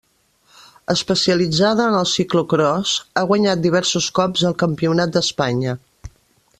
Especialitzada en el ciclocròs, ha guanyat diversos cops el Campionat d'Espanya.